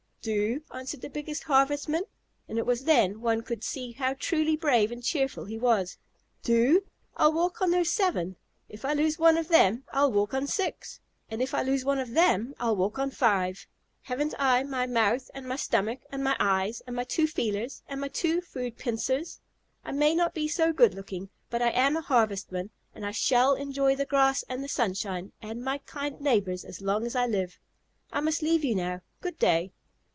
"Do?" answered the biggest Harvestman, and it was then one could see how truly brave and cheerful he was. "Do? I'll walk on those seven. If I lose one of them I'll walk on six, and if I lose one of them I'll walk on five. Haven't I my mouth and my stomach and my eyes and my two feelers, and my two food pincers? I may not be so good looking, but I am a Harvestman, and I shall enjoy the grass and the sunshine and my kind neighbors as long as I live. I must leave you now. Good day."